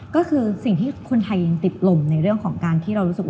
ก็คือสิ่งที่คนไทยยังติดลมในเรื่องของการที่เรารู้สึกว่า